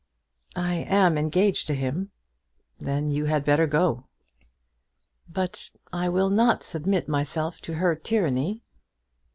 "I am engaged to him." "Then you had better go." "But I will not submit myself to her tyranny."